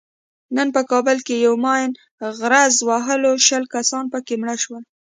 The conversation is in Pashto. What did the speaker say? نن په کابل کې یوه ماین غرز وهلو شل کسان پکې مړه شول.